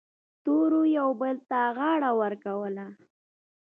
ستورو یو بل ته غاړه ورکوله.